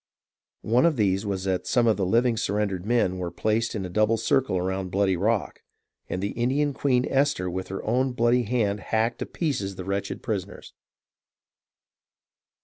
One of these was that some of the living surrendered men were placed in a double circle around Bloody Rock, and the Indian Queen Esther with her own bloody hand hacked into pieces the wretched prisoners.